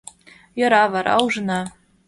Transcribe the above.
— Йӧра, вара ужына.